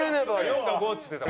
「４か５」っつってた。